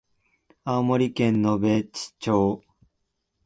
青森県野辺地町